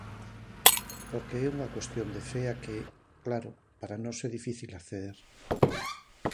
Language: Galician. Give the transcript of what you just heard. Porque é unha cuestión de fe á que, claro, para nós é difícil acceder...